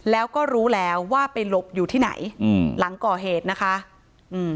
แล้วก็รู้แล้วว่าไปหลบอยู่ที่ไหนอืมหลังก่อเหตุนะคะอืม